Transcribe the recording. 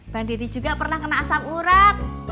bang deddy juga pernah kena asam urat